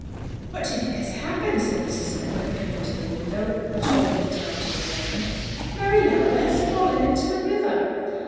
"What do you think has happened?" said Mrs. Fenwick, coming to the window, which opened down to the ground. "Mary Lowther has fallen into the river."